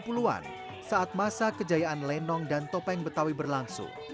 di tahun seribu sembilan ratus tujuh puluh an saat masa kejayaan lenong dan topeng betawi berlangsung